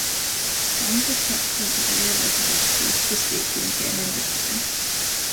Strong dissent from area residents forced the state to abandon the plan.